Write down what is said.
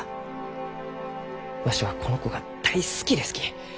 わしはこの子が大好きですき。